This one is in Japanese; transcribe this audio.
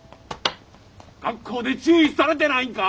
学校で注意されてないんか？